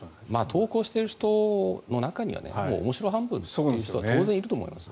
投稿してる人の中にはもう面白半分という人は当然いると思います。